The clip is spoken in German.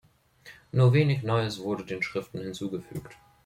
Nur wenig Neues wurde den Schriften hinzugefügt.